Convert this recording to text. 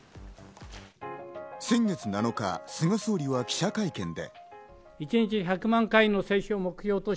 先月７日、菅総理は記者会見で。